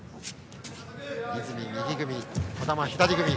泉、右組み児玉は左組み。